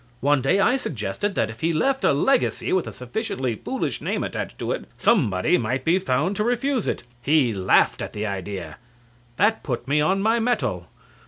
One day I suggested that if he left a legacy with a sufficiently foolish name attached to it, somebody might be found to refuse it. He laughed at the idea. That put me on my mettle.